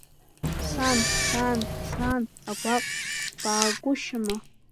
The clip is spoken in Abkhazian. Сан, саан, саан агәаҟ, баагәышьама?